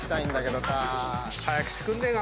早くしてくんねえかな。